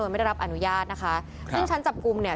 ไม่ได้รับอนุญาตนะคะซึ่งชั้นจับกลุ่มเนี่ย